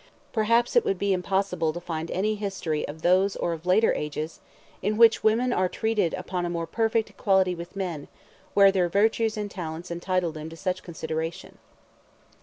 Perhaps it would be impossible to find any history of those or of later ages in which women are treated upon a more perfect equality with men, where their virtues and talents entitled them to such consideration.